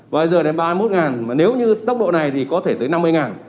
và giờ đến ba mươi một nếu như tốc độ này thì có thể tới năm mươi